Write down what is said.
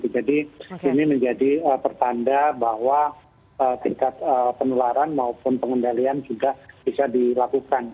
jadi ini menjadi pertanda bahwa tingkat penularan maupun pengendalian juga bisa dilakukan